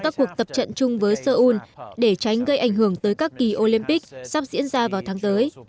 các cuộc tập trận chung với seoul để tránh gây ảnh hưởng tới các kỳ olympic sắp diễn ra vào tháng tới